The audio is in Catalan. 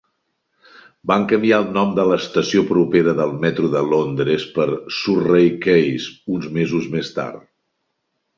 Van canviar el nom de l'estació propera del metro de Londres per Surrey Quays uns mesos més tard.